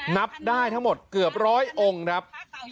นับได้ทั้งหมดเกือบร้อยองค์ครับ